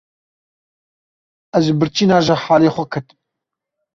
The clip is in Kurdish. Ez ji birçîna ji halê xwe ketim.